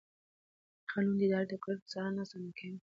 قانون د ادارې د کړنو څارنه اسانه کوي.